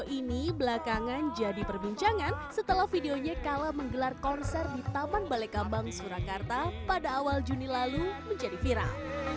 ini belakangan jadi perbincangan setelah videonya kala menggelar konser di taman balai kambang surakarta pada awal juni lalu menjadi viral